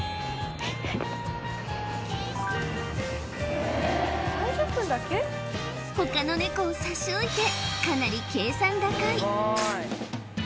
うわっ他のネコを差し置いてかなり計算高い